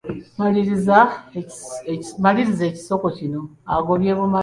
Maliriza ekisoko kino: Agobye bumale....